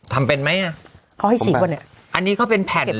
ทำเป็นไหมอ่ะก็ให้อันนี้ก็เป็นแผ่น